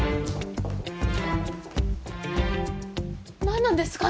なんなんですか！？